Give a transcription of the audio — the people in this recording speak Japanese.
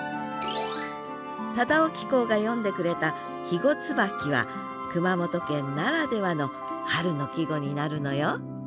忠興公が詠んでくれた「肥後椿」は熊本県ならではの春の季語になるのよ